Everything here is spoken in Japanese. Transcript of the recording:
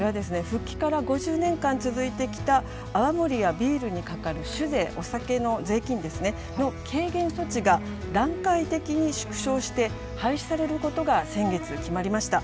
復帰から５０年間続いてきた泡盛やビールにかかる酒税お酒の税金ですねの軽減措置が段階的に縮小して廃止されることが先月決まりました。